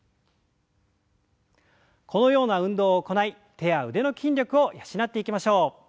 このような運動を行い手や腕の筋力を養っていきましょう。